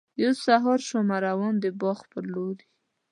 یو سهار شومه روان د باغ پر لوري.